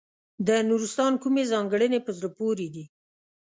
د نورستان کومې ځانګړنې په زړه پورې دي.